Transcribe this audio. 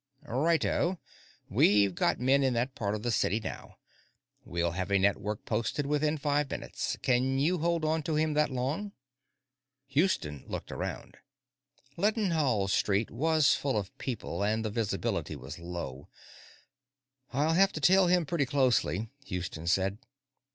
"Righto. We've got men in that part of the city now. We'll have a network posted within five minutes. Can you hold onto him that long?" Houston looked around. Leadenhall Street was full of people, and the visibility was low. "I'll have to tail him pretty closely," Houston said.